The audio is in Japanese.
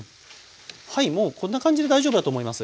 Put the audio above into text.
はいもうこんな感じで大丈夫だと思います。